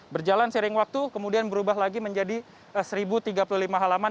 berjalan sering waktu kemudian berubah lagi menjadi seribu tiga puluh lima halaman